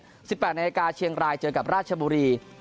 ๑๘นาฬิกาเชียงรายเจอกับราชบุรี